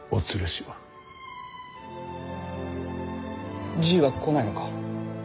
じいは来ないのか。